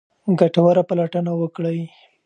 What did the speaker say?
ګټوره پلټنه وکړئ.